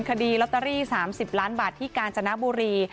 คดีลอตเตอรี่๓๐ล้านบาทที่กาญจนบุรี